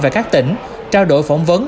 và các tỉnh trao đổi phỏng vấn